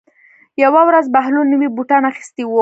یوه ورځ بهلول نوي بوټان اخیستي وو.